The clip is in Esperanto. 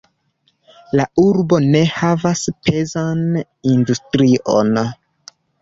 La urbo ne havas pezan industrion.